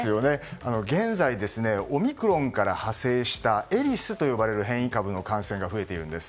現在、オミクロンから派生したエリスと呼ばれる変異株の感染が増えているんです。